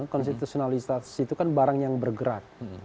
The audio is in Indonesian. konstitusionalisasi itu kan barang yang bergerak